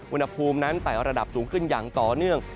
อุณหภูมินั้นไต่ระดับสูงขึ้นอย่างต่อเนื่อง